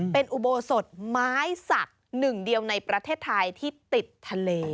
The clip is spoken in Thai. เป็นอุโบสถไม้สักหนึ่งเดียวในประเทศไทยที่ติดทะเล